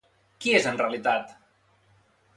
Qui és en realitat?